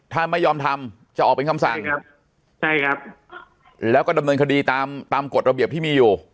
ถ้าไม่ยอมทำจะออกเป็นคำสั่งครับใช่ครับแล้วก็ดำเนินคดีตามตามกฎระเบียบที่มีอยู่